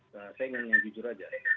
saya ingin jujur saja